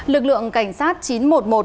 lực lượng cảnh sát chín trăm một mươi một